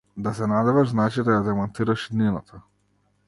Да се надеваш значи да ја демантираш иднината.